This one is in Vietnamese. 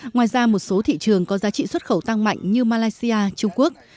ngoài ra một số thị trường có giá trị xuất khẩu tăng mạnh như malaysia trung quốc